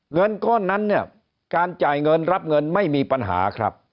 เงินก้อนนั้นเนี่ยการจ่ายเงินรับเงินไม่มีปัญหาครับ